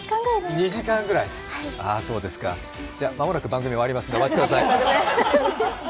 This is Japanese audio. ２時間くらい間もなく番組が終わりますのでお待ちください。